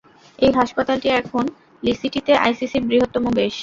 এই হাসপাতালটি এখন লিসিটি-তে আইসিসির বৃহত্তম বেস।